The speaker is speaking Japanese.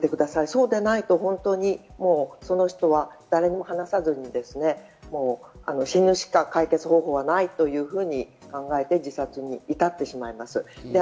そうでないと、その人は誰にも話さずに死ぬしか解決方法がないというふうに考えて、自殺に至ってしまいます。